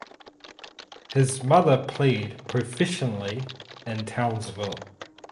His mother played professionally in Townsville.